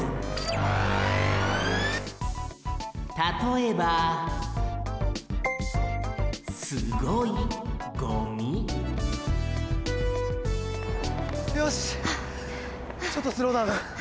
たとえばよしちょっとスローダウン。